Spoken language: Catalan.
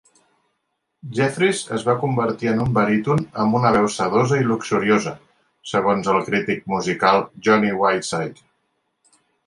Jeffries es va convertir en un "baríton amb una veu sedosa i luxuriosa", segons el crític musical Jonny Whiteside.